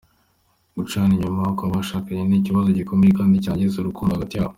Gucana inyuma kwabashakanye ni ikibazo gikomeye kandi cyangiza urukundo hagati yabo.